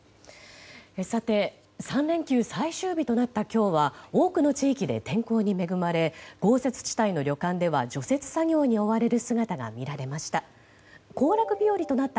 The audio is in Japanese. さて３連休最終日となった今日は多くの地域で天候に恵まれ豪雪地帯の旅館では除雪作業に追われる姿が見られました。